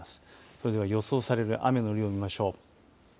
それでは予想される雨の量、見ましょう。